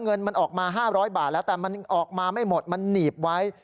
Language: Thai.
เงินมันออกมา๕๐๐บาทแล้วแต่มันออกมาไม่หมดมันหนีบไว้